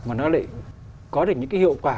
mà nó lại có được những cái hiệu quả